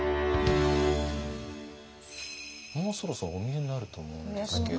もうそろそろお見えになると思うんですけど。